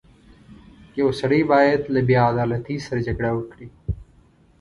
• یو سړی باید له بېعدالتۍ سره جګړه وکړي.